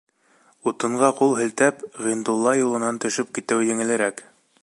Утынға ҡул һелтәп, Ғиндулла юлынан төшөп китеү еңелерәк.